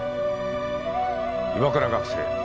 岩倉学生。